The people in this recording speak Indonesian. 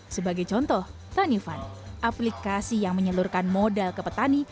sebagai contoh tanifan aplikasi yang menyeluruhkan modal ke petani